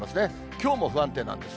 きょうも不安定なんです。